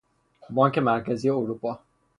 بانک مرکزی اروپا